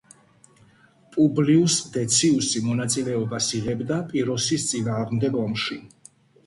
პუბლიუს დეციუსი მონაწილეობას იღებდა პიროსის წინააღმდეგ ომში.